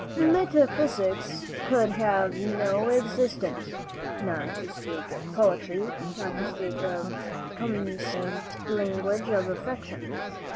Metaphysics could have no existence, not to speak of poetry, not to speak of the commonest language of affection.